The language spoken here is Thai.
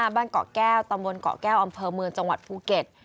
บ้านเกาะแก้วตำบลเกาะแก้วอำเภอเมืองจังหวัดภูเก็ต